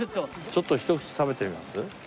ちょっとひと口食べてみます？